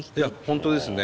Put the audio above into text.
本当ですね。